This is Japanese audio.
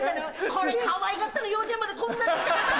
これかわいかったの幼稚園までこんな小っちゃかった。